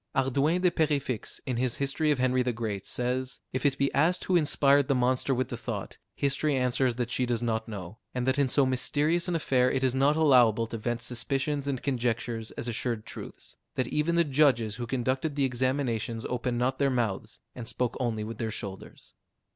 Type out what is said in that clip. Hardouin de Perefixe, in his "History of Henry the Great," says, "If it be asked who inspired the monster with the thought, history answers that she does not know; and that in so mysterious an affair, it is not allowable to vent suspicions and conjectures as assured truths; that even the judges who conducted the examinations opened not their mouths, and spoke only with their shoulders."